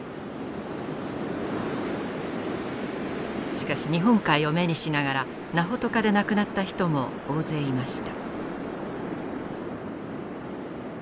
しかし日本海を目にしながらナホトカで亡くなった人も大勢いました。